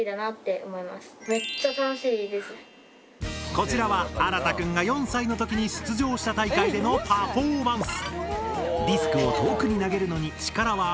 こちらは新くんが４歳のときに出場した大会でのパフォーマンス。